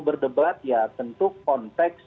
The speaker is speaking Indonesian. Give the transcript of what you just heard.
berdebat ya tentu konteks